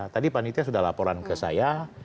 tadi panitia sudah laporan ke saya